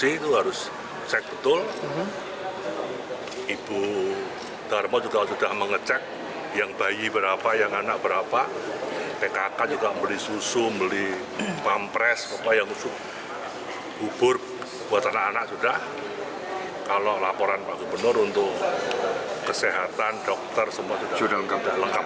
hubur buat anak anak sudah kalau laporan pak gubernur untuk kesehatan dokter semua sudah lengkap